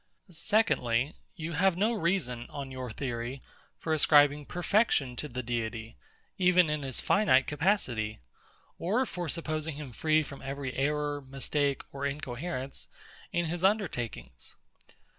Secondly, You have no reason, on your theory, for ascribing perfection to the Deity, even in his finite capacity, or for supposing him free from every error, mistake, or incoherence, in his undertakings.